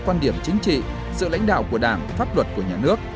quan điểm chính trị sự lãnh đạo của đảng pháp luật của nhà nước